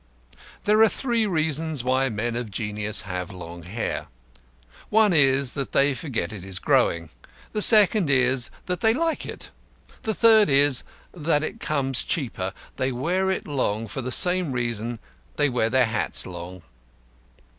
There are three reasons why men of genius have long hair. One is, that they forget it is growing. The second is, that they like it. The third is, that it comes cheaper; they wear it long for the same reason that they wear their hats long.